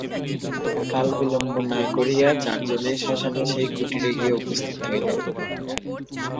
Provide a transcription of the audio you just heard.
কালবিলম্ব না করিয়া চারজনেই শ্মশানে সেই কুটিরে গিয়া উপস্থিত হইল।